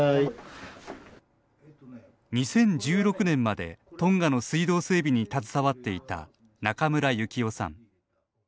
２０１６年までトンガの水道整備に携わっていた中村幸生さん。